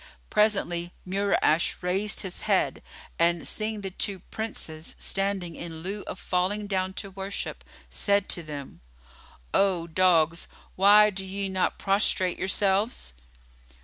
Presently, Mura'ash raised his head and, seeing the two Princes standing in lieu of falling down to worship, said to them, "O dogs, why do ye not prostrate yourselves?"